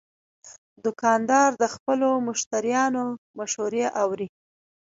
دوکاندار د خپلو مشتریانو مشورې اوري.